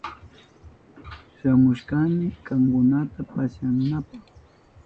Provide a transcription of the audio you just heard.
Shamushkani kankunata pasyanapa.